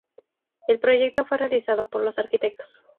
El proyecto fue realizado por los arquitectos.